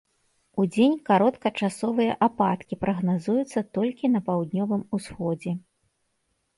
Удзень кароткачасовыя ападкі прагназуюцца толькі на паўднёвым усходзе.